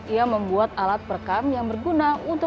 ia membuat alat perekam yang berguna untuk mengembangkan